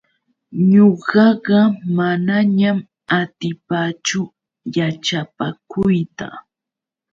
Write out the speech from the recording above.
Ñuqaqa manañam atipaachu yaćhapakuyta.